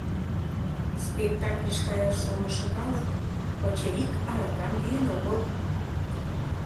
Спектакльыш каяш шонышо калык пычырик аракам йӱын огыл.